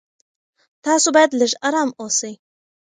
تاسو باید لږ ارام اوسئ.